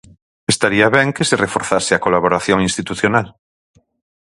Estaría ben que se reforzase a colaboración institucional.